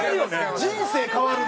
人生変わるの？